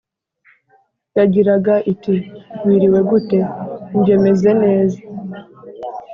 yagiraga iti"wiriwe gute? nge meze neza!